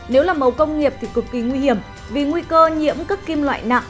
nếu là màu công nghiệp thì cực kỳ nguy hiểm vì nguy cơ nhiễm các kim loại nặng